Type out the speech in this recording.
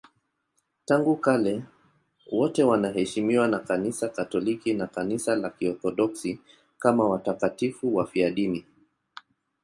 Tangu kale wote wanaheshimiwa na Kanisa Katoliki na Kanisa la Kiorthodoksi kama watakatifu wafiadini.